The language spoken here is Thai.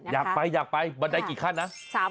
อยากไปบันไดกี่ขั้นนะ